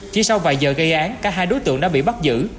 chỉ sau vài giờ gây án cả hai đối tượng đã bị bắt giữ